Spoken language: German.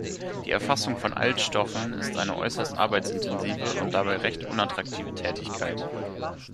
Die Erfassung von Altstoffen ist eine äußerst arbeitsintensive und dabei recht unattraktive Tätigkeit.